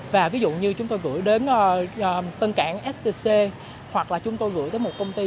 và ví dụ như chúng tôi gửi đến tân cảng stc hoặc là chúng tôi gửi tới một công ty